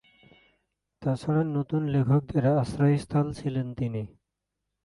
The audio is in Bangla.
তাছাড়া নতুন লেখকদের আশ্রয়স্থল ছিলেন তিনি।